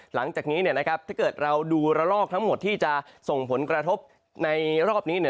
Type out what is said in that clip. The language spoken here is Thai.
หลังจากนี้ถ้าเกิดเราดูระลอกทั้งหมดที่จะส่งผลกระทบในรอบนี้